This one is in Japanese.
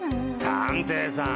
探偵さん